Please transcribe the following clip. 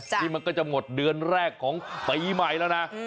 นี่มันก็จะหมดเดือนแรกของปีใหม่แล้วนะ